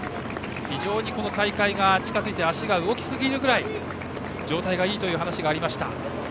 非常に大会が近づいて足が動きすぎるぐらい状態がいいという話がありました。